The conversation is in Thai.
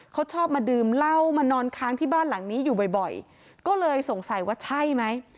เขาชอบมาดื่มเหล้ามานอนค้างที่บ้านหลังนี้อยู่บ่อยก็เลยสงสัยว่าใช่ไหม